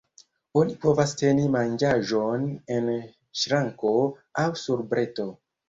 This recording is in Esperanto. Oni povas teni manĝaĵon en ŝranko aŭ sur breto.